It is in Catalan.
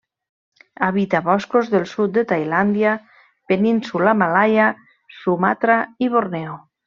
Habita boscos del sud de Tailàndia, Península Malaia, Sumatra i Borneo.